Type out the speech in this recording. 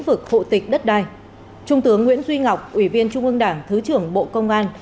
vực hộ tịch đất đai trung tướng nguyễn duy ngọc ủy viên trung ương đảng thứ trưởng bộ công an